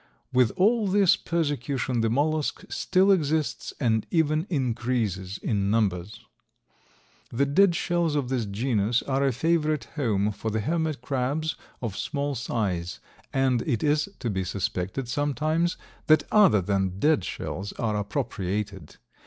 With all this persecution the mollusk still exists and even increases in numbers. The dead shells of this genus are a favorite home for the hermit crabs of small size, and it is to be suspected sometimes that other than dead shells are appropriated.